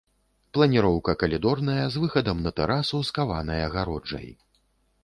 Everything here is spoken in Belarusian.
Планіроўка калідорная з выхадам на тэрасу з каванай агароджай.